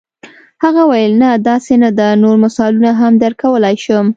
هغه وویل نه داسې نه ده نور مثالونه هم درکولای شم.